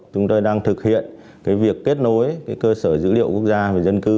chúng tôi đang thực hiện việc kết nối cơ sở dữ liệu quốc gia về dân cư